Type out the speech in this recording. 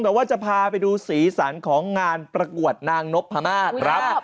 แต่ว่าจะพาไปดูศีลสรรค์ของงานประกวดนางนบภามากครับ